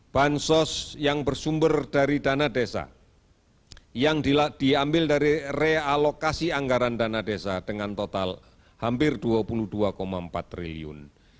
bansos yang bersumber dari dana desa yang diambil dari realokasi anggaran dana desa dengan total hampir rp dua puluh dua empat triliun